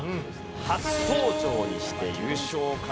初登場にして優勝を飾るか？